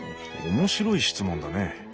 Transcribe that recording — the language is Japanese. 面白い質問だね。